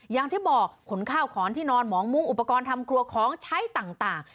อย่างที่บอกขนข้าวขอนที่นอนหมองมุ้งอุปกรณ์ทำครัวของใช้ต่าง